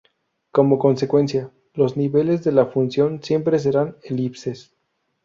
Como consecuencia, los niveles de la función siempre serán elipses.